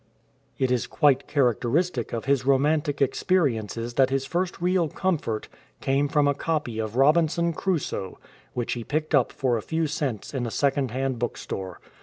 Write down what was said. '" It is quite characteristic of his romantic experiences that his first real comfort came from a copy of Robinson Crusoe which he picked up for a few cents in a second hand bookstore.